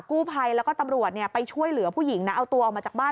กู้ภัยแล้วก็ตำรวจไปช่วยเหลือผู้หญิงนะเอาตัวออกมาจากบ้าน